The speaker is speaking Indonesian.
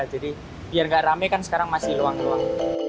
jadi biar gak rame kan sekarang masih luang luang